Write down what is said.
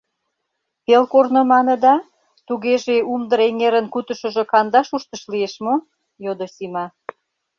— Пел корно маныда, тугеже Умдыр эҥерын кутышыжо кандаш уштыш лиеш мо? — йодо Сима.